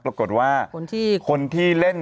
ปรากฏว่าคนที่เล่น